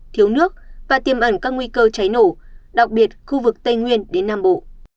thiếu nước và tiềm ẩn các nguy cơ cháy nổ đặc biệt khu vực tây nguyên đến nam bộ